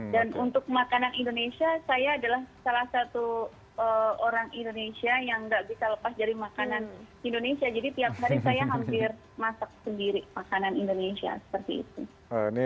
dan untuk makanan indonesia saya adalah salah satu orang indonesia yang nggak bisa lepas dari makanan indonesia